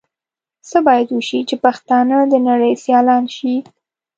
څه بايد وشي چې پښتانهٔ د نړۍ سيالان شي؟